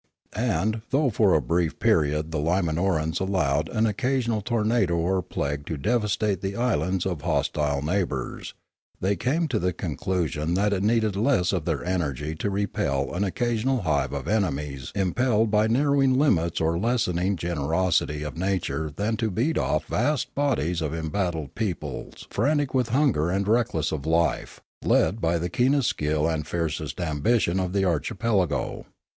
And, though for a brief period the Limanorans allowed an occasional tornado or plague to devastate the islands of hostile neighbours, they came to the conclusion that it needed less of their energy to repel an occasional hive of enemies im pelled by narrowing limits or the lessening generosity of nature than to beat off vast bodies of embattled peo ples frantic with hunger and reckless of life, led by the keenest skill and fieriest ambition of the archipelago.